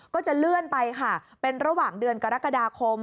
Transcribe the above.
ก็จะเลื่อนไปค่ะเป็นระหว่างเดือนกรกฎาคม